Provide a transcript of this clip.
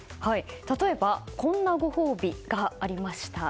例えばこんなご褒美がありました。